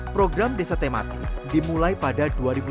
program desa tematik dimulai pada dua ribu sembilan belas